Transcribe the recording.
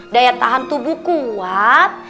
daya tahan tubuh kuat